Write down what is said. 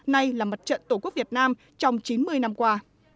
nay là mặt trận tổ quốc việt nam trong chín mươi năm qua